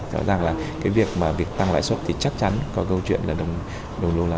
rõ ràng là cái việc mà việc tăng lãi suất thì chắc chắn có câu chuyện là đồng đô la